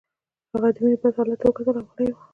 هغه د مينې بد حالت ته کتل او غلی و